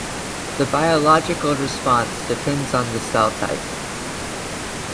The biological response depends on the cell type.